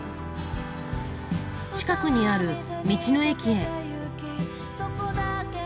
近くにある道の駅へ。